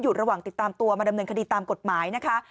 ระหว่างติดตามตัวมาดำเนินคดีตามกฎหมายนะคะ